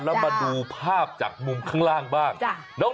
แล้วมาดูภาพจากมุมข้างล่างบ้าง